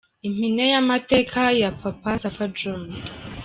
Impine y’amateka ya Papy Safa John.